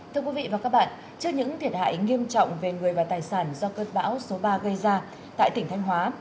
thưa quý vị và các bạn trước những thiệt hại nghiêm trọng về người và tài sản do cơn bão số ba gây ra tại tỉnh thanh hóa